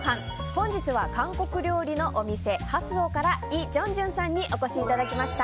本日は韓国料理のお店ハスオからイ・ジョンジュンさんにお越しいただきました。